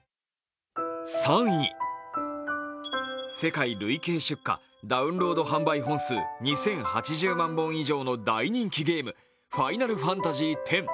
世界累計出荷、ダウンロード販売本数２０８０万本以上の大人気ゲーム、「ファイナルファンタジーⅩ」。